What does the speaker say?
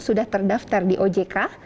sudah terdaftar di ojk